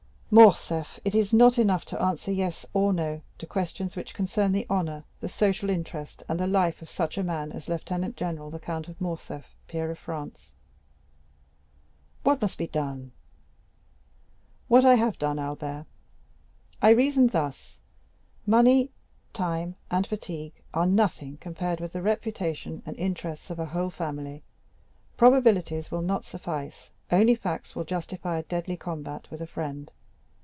'" "Morcerf, it is not enough to answer 'yes' or 'no' to questions which concern the honor, the social interest, and the life of such a man as Lieutenant général the Count of Morcerf, peer of France." "What must then be done?" 40174m "What I have done, Albert. I reasoned thus—money, time, and fatigue are nothing compared with the reputation and interests of a whole family; probabilities will not suffice, only facts will justify a deadly combat with a friend.